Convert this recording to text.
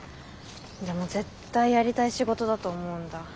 でも絶対やりたい仕事だと思うんだ。